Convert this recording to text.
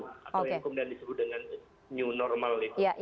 atau yang kemudian disebut dengan new normal